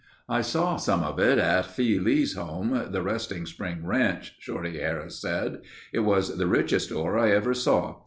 "I saw some of it at Phi Lee's home, the Resting Spring Ranch," Shorty Harris said. "It was the richest ore I ever saw.